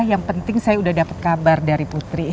yang penting saya udah dapet kabar dari putri